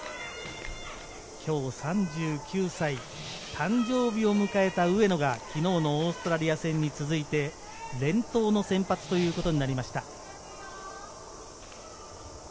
今日３９歳、誕生日を迎えた上野が昨日のオーストリア戦に続いて連投の先発となりました。